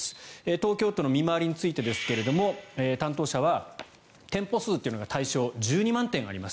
東京都の見回りについてですが担当者は店舗数というのが対象１２万店あります。